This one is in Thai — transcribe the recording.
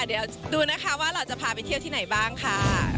เดี๋ยวดูนะคะว่าเราจะพาไปเที่ยวที่ไหนบ้างค่ะ